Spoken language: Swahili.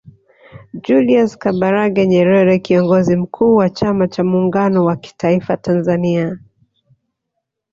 Julius Kambarage Nyerere Kiongozi Mkuu wa chama cha Muungano wa kitaifa Tanzania